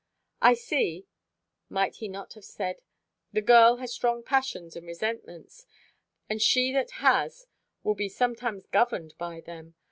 "I see" (might he not have said?), "the girl has strong passions and resentments; and she that has, will be sometimes governed by them.